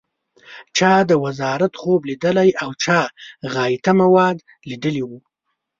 چا د وزارت خوب لیدلی او چا غایطه مواد لیدلي و.